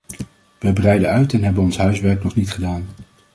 Wij breiden uit en hebben ons huiswerk nog niet gedaan.